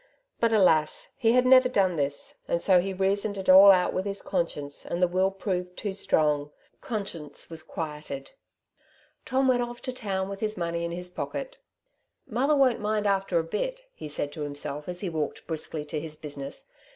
But alas ! he had never done this ; and so he reasoned it all out with his conscience, and the will proved too strong — conscience was quieted. Tom went off to town with his money in his pocket. '^ Mother won't mind after a bit,^^ he said to him self as he walked briskly to his business.